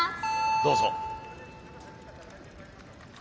どうぞ。